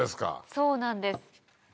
そうなんです。